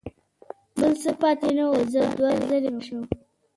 بل څه پاتې نه و، زه دوه زړی شوم.